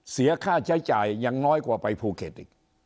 เสียค่าใช้จ่ายยังน้อยกว่าไปภูเก็ตอีก